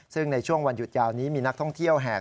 ซึ่งในช่วงวันหยุดยาวนี้มีนักท่องเที่ยวแหก